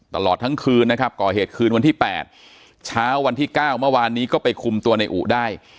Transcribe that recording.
ตลอดทั้งคืนนะครับก่อเหตุคืนวันที่๘เช้าวันที่๙เมื่อวานนี้ก็ไปคุมตัวในอุได้